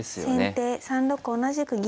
先手３六同じく銀。